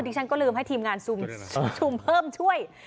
ฉันก็ลืมให้ทีมงานซุมเพิ่มช่วย